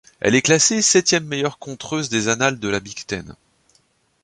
Elle est classée septième meilleure contreuse des annales de la Big Ten.